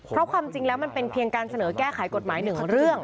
เพราะความจริงแล้วมันเป็นเพียงการเสนอแก้ไขกฎหมายหนึ่งเรื่อง